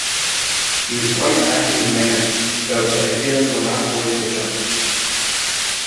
He was quite active in management, though his ideas were not always determinative.